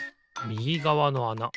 みぎがわのあな